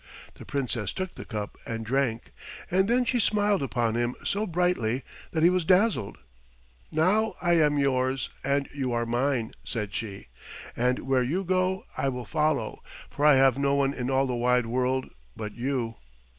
The Princess took the cup and drank, and then she smiled upon him so brightly that he was dazzled. "Now I am yours, and you are mine," said she, "and where you go I will follow, for I have no one in all the wide world but you."